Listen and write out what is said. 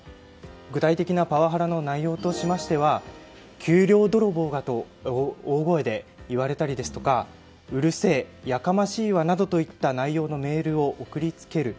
具体的なパワハラ内容としては給料泥棒が！と大声で言われたりですとかうるせえ、やかましいわなどの内容のメールを送り付ける。